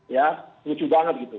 ya lucu banget gitu